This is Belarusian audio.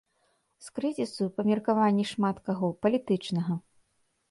З крызісу, па меркаванні шмат каго, палітычнага.